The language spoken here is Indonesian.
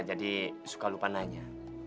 jadi suka lupa nanya